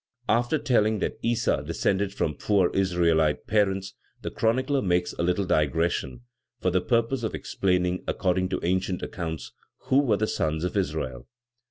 After telling that Issa descended from poor Israelite parents, the chronicler makes a little digression, for the purpose of explaining, according to ancient accounts, who were those sons of Israel.